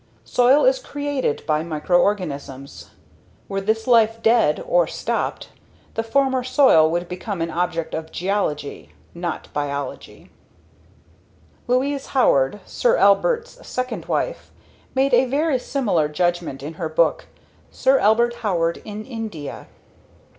Soil is created by microorganisms. Were this life dead or stopped, the former soil would become an object of geology [not biology]." Louise Howard, Sir Albert's second wife, made a very similar judgment in her book, _Sir Albert Howard in India.